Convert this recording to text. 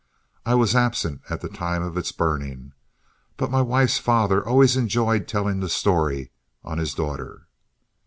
I was absent at the time of its burning, but my wife's father always enjoyed telling the story on his daughter.